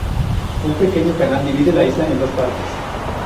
Un pequeño canal divide la isla en dos partes.